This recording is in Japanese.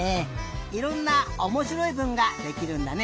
いろんなおもしろいぶんができるんだね。